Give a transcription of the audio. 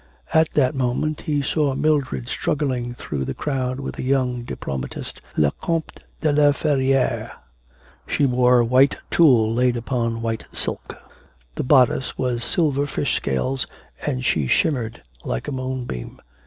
At that moment he saw Mildred struggling through the crowd with a young diplomatist, Le Comte de la Ferriere. She wore white tulle laid upon white silk. The bodice was silver fish scales, and she shimmered like a moonbeam.